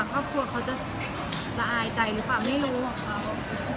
ครอบครัวเขาจะละอายใจหรือเปล่าบอกว่าไม่รู้ว่าเขา